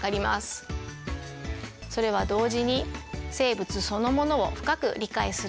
それは同時に生物そのものを深く理解することにつながります。